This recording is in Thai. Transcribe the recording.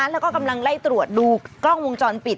แล้วก็กำลังไล่ตรวจดูกล้องวงจรปิด